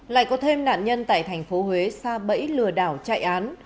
lại có thêm nạn nhân tại thành phố huế xa bẫy lừa đảo chạy án